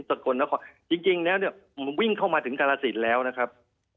สกลนครจริงแล้วเนี่ยผมวิ่งเข้ามาถึงกาลสินแล้วนะครับ